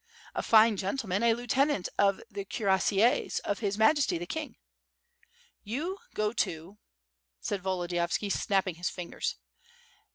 '^ "A fine gentleman; a lieutenant of the cuirassiers of His Majesty, the King/^ "You go to " said Volodiyovski, snapping his fingers.